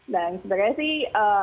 dan sebenarnya sih